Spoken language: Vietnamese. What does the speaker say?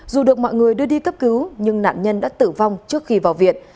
dù được mọi người đưa đi cấp cứu nhưng nạn nhân đã tử vong trước khi vào viện